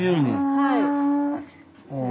はい。